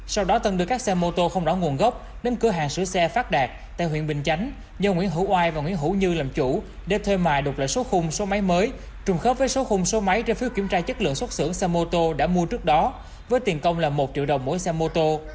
sau đó tân đưa các xe mô tô không rõ nguồn gốc đến cửa hàng sửa xe phát đạt tại huyện bình chánh do nguyễn hữu oai và nguyễn hữu như làm chủ để thuê mài đục lại số khung số máy mới trùng khớp với số khung số máy trên phiếu kiểm tra chất lượng xuất xưởng xe mô tô đã mua trước đó với tiền công là một triệu đồng mỗi xe mô tô